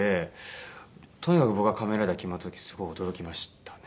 とにかく僕は『仮面ライダー』決まった時すごい驚きましたね。